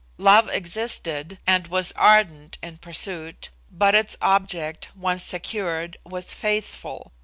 Love existed, and was ardent in pursuit, but its object, once secured, was faithful.